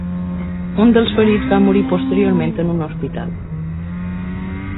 Un dels ferits va morir posteriorment en un hospital.